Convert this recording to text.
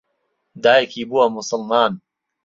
دایکی بووە موسڵمان.